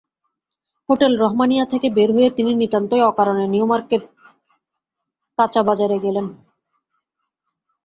Hotel Rahmania থেকে বের হয়ে তিনি নিতান্তই অকারণে নিউমার্কেটকীচা-বাজারে গেলেন।